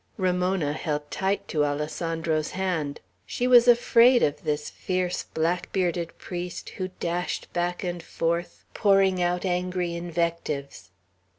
Ramona held tight to Alessandro's hand. She was afraid of this fierce, black bearded priest, who dashed back and forth, pouring out angry invectives.